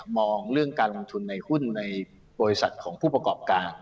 มองเรื่องการลงทุนในหุ้นในบริษัทของผู้ประกอบการ